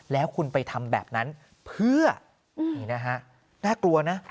แล้วคุณไปทำแบบนั้นเพื่อนี่นะฮะน่ากลัวนะ